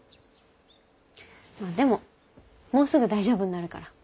まあでももうすぐ大丈夫になるから。